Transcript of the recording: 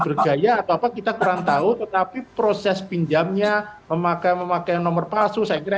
berjaya atau apa kita kurang tahu tetapi proses pinjamnya memakai memakai nomor palsu saya kira